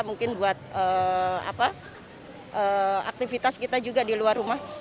mungkin buat aktivitas kita juga di luar rumah